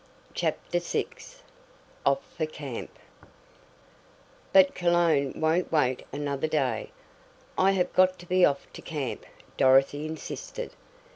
CHAPTER VI OFF FOR CAMP "But Cologne won't wait another day. I have got to be off to camp," Dorothy insisted.